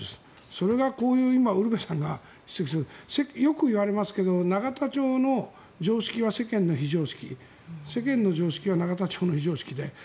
それがこういう今ウルヴェさんが指摘したよく言われますが永田町の常識は世間の非常識世間の常識は永田町の非常識で。